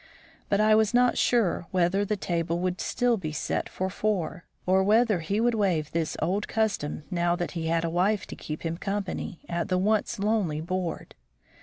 But I was not sure whether the table would be still set for four, or whether he would waive this old custom now that he had a wife to keep him company at the once lonely board.